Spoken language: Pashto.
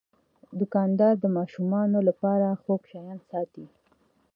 دوکاندار د ماشومانو لپاره خوږ شیان ساتي.